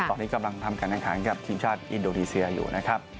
ตอนนี้กำลังทำการแข่งขันกับทีมชาติอินโดนีเซียอยู่นะครับ